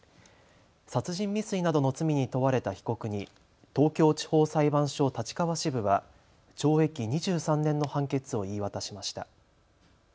殺人未遂などの罪に問われた被告に東京地方裁判所立川支部は懲役２３年の判決を言い渡しました。